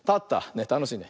たのしいね。